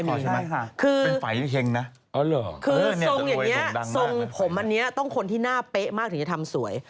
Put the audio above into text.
คือเป็นฝ่ายเฮงนะคือทรงอย่างนี้ทรงผมอันนี้ต้องคนที่หน้าเป๊ะมากถึงจะทำสวย